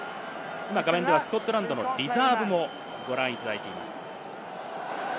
今、画面ではスコットランドのリザーブもご覧いただいています。